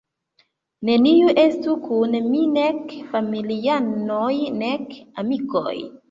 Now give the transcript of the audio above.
Neniu estu kun mi, nek familianoj nek amikoj.